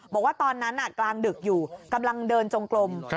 บอกว่าตอนนั้นกลางดึกอยู่กำลังเดินจงกลม